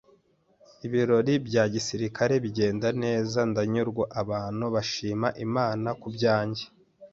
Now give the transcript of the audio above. ibirori bya gisirikare bigenda neza ndanyurwa, abantu bashima Imana ku bwanjye,